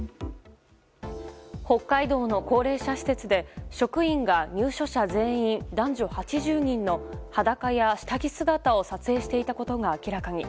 北海道の高齢者施設で職員が入所者全員男女８０人の裸や下着姿を撮影していたことが明らかに。